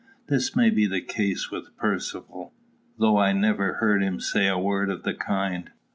This may be the case with Percivale, though I never heard him say a word of the kind.